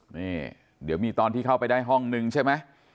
นี่เดี๋ยวมีตอนที่เข้าไปได้ห้องนึงใช่ไหม